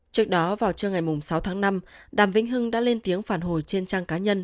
trước đó vào trưa ngày sáu tháng năm đàm vĩnh hưng đã lên tiếng phản hồi trên trang cá nhân